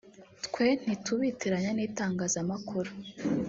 twe ntitubitiranya n’itangazamakuru